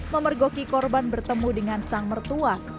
memergoki korban bertemu dengan sang mertua